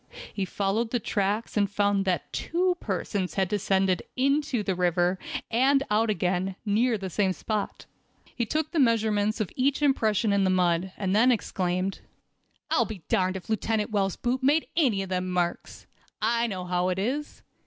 He followed the tracks, and found that two persons had descended into the river, and out again, near the same spot. He took the measurement of each impression in the mud, and then exclaimed: "I'll be darned if Lieutenant Wells' boot made any of them marks! I know how it is.